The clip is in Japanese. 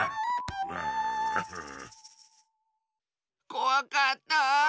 こわかった。